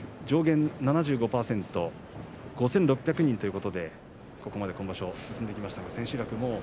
上限７５％、５６００人ということでここまで今場所続けました。